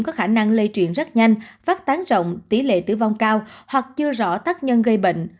có khả năng lây truyền rất nhanh phát tán rộng tỷ lệ tử vong cao hoặc chưa rõ tác nhân gây bệnh